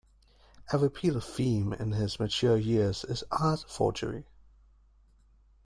A repeated theme in his mature years is art forgery.